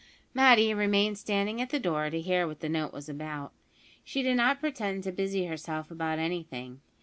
Matty remained standing at the door to hear what the note was about. She did not pretend to busy herself about anything.